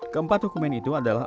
keempat dokumen itu adalah